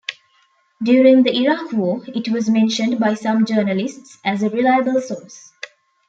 During the Iraq War, it was mentioned by some journalists as a reliable source.